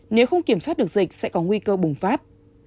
nếu không kiểm soát được dịch sẽ có nguy cơ bùng phát